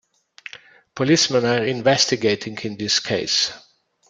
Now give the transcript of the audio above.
Policemen are investigating in this case.